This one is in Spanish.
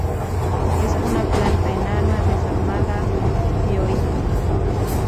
Es una planta enana, desarmada, dioica.